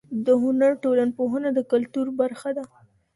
د هنر ټولنپوهنه د کلتور برخه ده.